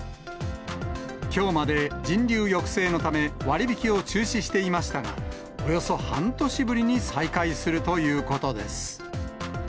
きょうまで、人流抑制のため割引を中止していましたが、およそ半年ぶりに再開するということです。